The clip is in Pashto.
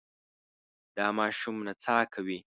دا ماشوم نڅا کوي.